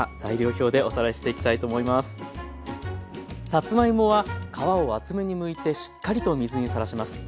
さつまいもは皮を厚めにむいてしっかりと水にさらします。